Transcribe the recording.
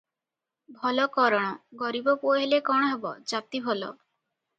ଭଲ କରଣ, ଗରିବ ପୁଅ ହେଲେ କ’ଣ ହେବ, ଜାତି ଭଲ ।